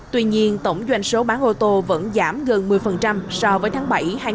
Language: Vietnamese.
tuy nhiên tổng doanh số bán ô tô vẫn giảm gần một mươi so với tháng bảy hai nghìn hai mươi ba